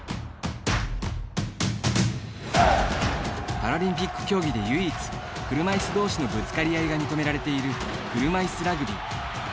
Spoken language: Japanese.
パラリンピック競技で唯一車いす同士のぶつかり合いが認められている、車いすラグビー。